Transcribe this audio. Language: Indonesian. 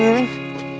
yes ketipu juga